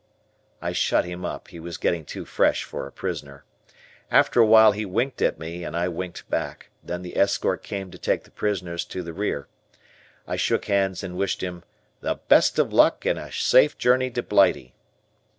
I shut him up, he was getting too fresh for a prisoner. After a while he winked at me and I winked back, then the escort came to take the prisoners to the rear. I shook hands and wished him "The best of luck and a safe journey to Blighty."